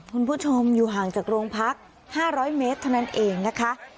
คุณผู้ชมอยู่ห่างจากโรงพัก๕๐๐เมตรเท่านั้นเองนะคะ